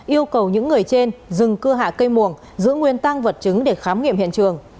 yêu cầu những người trên dừng cưa hạ cây mồng giữ nguyên tăng vật chứng để khám nghiệm hiện trường